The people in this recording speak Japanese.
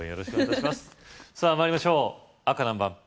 さぁ参りましょう赤何番？